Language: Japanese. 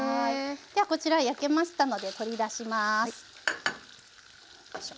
ではこちら焼けましたので取り出します。